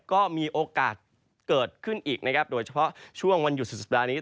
ก็มีโอกาสเกิดขึ้นอีกโดยเฉพาะช่วงวันหยุดสุดนี้